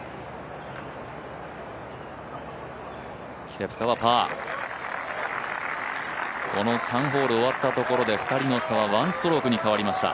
ケプカはパー、この３ホール終わったところで２人の差は１ストロークに変わりました。